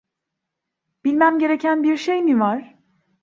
Bilmem gereken bir şey mi var?